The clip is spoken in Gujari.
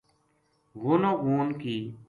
غونو غون کی